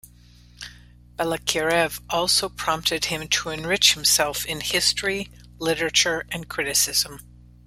Balakirev also prompted him to enrich himself in history, literature and criticism.